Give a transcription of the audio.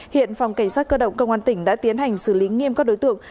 hiện phòng cảnh sát cơ động công an tỉnh đã tiến hành xử lý nghiêm các đối tượng